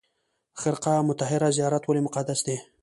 خرقه مطهره زیارت ولې مقدس دی؟